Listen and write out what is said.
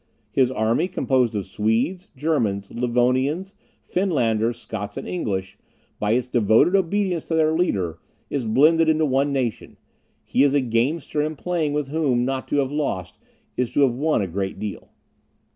His army, composed of Swedes, Germans, Livonians, Finlanders, Scots and English, by its devoted obedience to their leader, is blended into one nation: he is a gamester in playing with whom not to have lost is to have won a great deal."